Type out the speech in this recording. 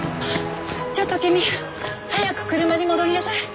ちょっと君早く車に戻りなさい。